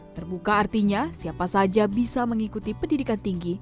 terbuka artinya siapa saja bisa mengikuti pendidikan tinggi